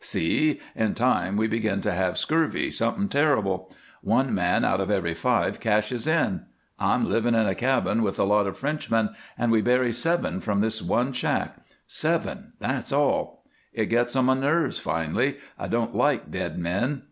See! In time we begin to have scurvy something terrible. One man out of every five cashes in. I'm living in a cabin with a lot of Frenchmen and we bury seven from this one shack seven, that's all! It gets on my nerves finally. I don't like dead men.